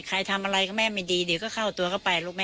ใครทำอะไรก็แม่ไม่ดีเดี๋ยวก็เข้าตัวเข้าไปลูกแม่